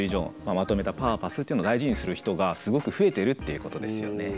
まとめたパーパスっていうのを大事にする人がすごく増えてるっていうことですよね。